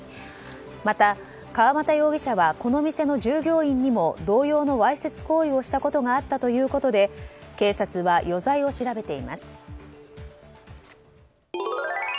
また、川又容疑者はこの店の従業員にも同様のわいせつ行為をしたことがあったということで警察は余罪を調べています。